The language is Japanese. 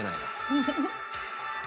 フフフッ。